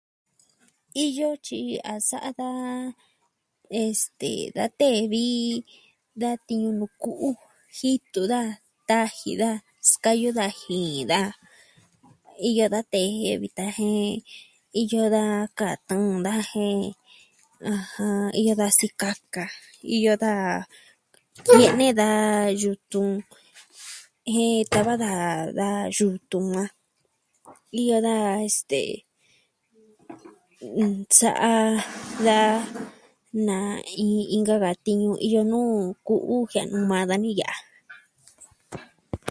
Iyo tyi a sa'a daa... este, da tee vi da tiñu nuu ku'u. Jitu daa, taji daa, skayu da jiin daa iyo da tee jen vitan jen iyo da ka tɨɨn daa jen. ɨjɨn... iyo da sikaka, iyo da kene da yutun, jen tava da, da yutun na. Iyo daa, este... n... sa'a daa na inka ka tiñu, iyo nuu ku'u jiaa nuu maa ni ya'a.